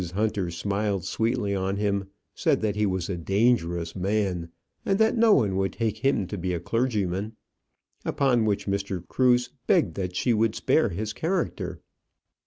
Hunter smiled sweetly on him, said that he was a dangerous man, and that no one would take him to be a clergyman; upon which Mr. Cruse begged that she would spare his character.